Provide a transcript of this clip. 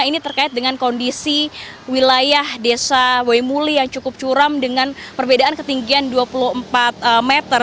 ini terkait dengan kondisi wilayah desa wemuli yang cukup curam dengan perbedaan ketinggian dua puluh empat meter